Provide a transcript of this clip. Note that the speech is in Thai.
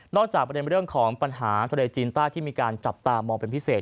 จากประเด็นเรื่องของปัญหาทะเลจีนใต้ที่มีการจับตามองเป็นพิเศษ